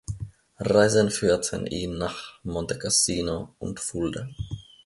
Reisen führten ihn nach Montecassino und Fulda.